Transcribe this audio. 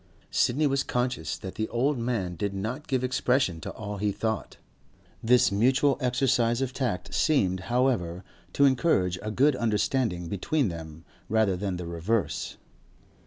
Sidney was conscious that the old man did not give expression to all he thought. This mutual exercise of tact seemed, however, to encourage a good understanding between them rather than the reverse.